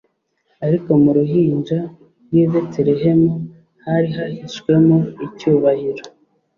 ariko mu ruhinja rw'i Betelehemu hari hahishwemo icyubahiro